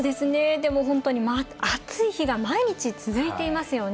でも本当に暑い日が毎日続いていますよね。